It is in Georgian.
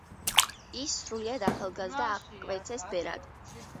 ის სრულიად ახალგაზრდა აღკვეცეს ბერად.